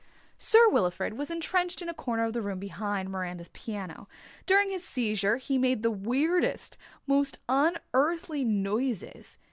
Sir Wilfrid was entrenched in a corner of the room behind Miranda's piano. During his seizure he made the weirdest, most unearthly noises.